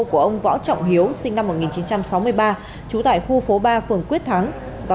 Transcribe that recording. của ông võ trọng hiếu sinh năm một nghìn chín trăm sáu mươi ba trú tại khu phố ba phường quyết thắng